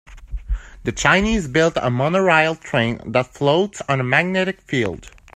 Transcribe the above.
The Chinese built a monorail train that floats on a magnetic field.